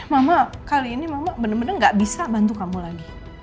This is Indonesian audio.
mama kali ini mama bener bener gak bisa bantu kamu lagi